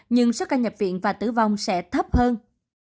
nhưng số ca nhập viện và tử vong sẽ thấp hơn